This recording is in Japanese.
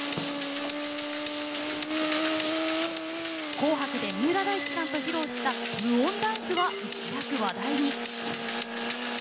「紅白」で三浦大知さんと披露した無音ダンスは一躍、話題に。